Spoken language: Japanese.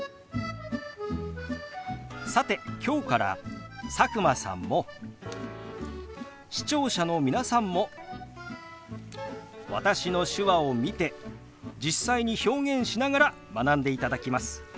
さて今日から佐久間さんも視聴者の皆さんも私の手話を見て実際に表現しながら学んでいただきます。